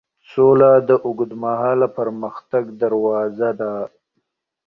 سوله د اوږدمهاله پرمختګ دروازه ده.